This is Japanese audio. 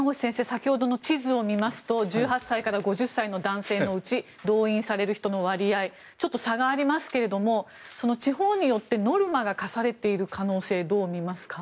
先ほどの地図を見ますと１８歳から５０歳の男性のうち動員される人の割合ちょっと差がありますけども地方によってノルマが課されている可能性をどう見ますか？